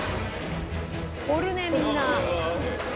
「取るねみんな」